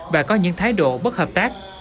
và có những thái độ bất hợp tác